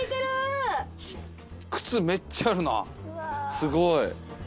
すごい。